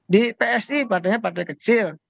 di psi partainya partai kecil